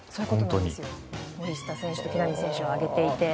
森下選手と木浪選手を挙げていて。